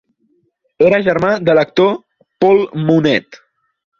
Era germà de l'actor Paul Mounet.